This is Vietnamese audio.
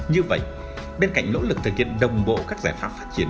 như vậy bên cạnh nỗ lực thực hiện đồng bộ các giải pháp phát triển